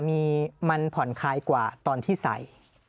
มันผ่อนคลายกว่าตอนที่ใส่